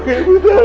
kamu harus ikhlas